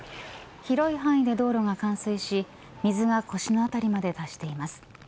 広い範囲で道路が冠水し水が腰の辺りまで達しています。